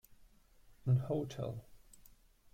An hotel.